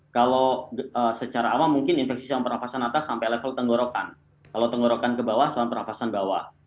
kalau secara awal mungkin infeksi saluran pernafasan atas sampai level tenggorokan kalau tenggorokan ke bawah saluran pernafasan bawah